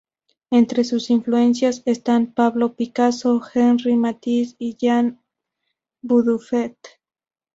Entre sus influencias están Pablo Picasso, Henri Matisse y Jean Dubuffet.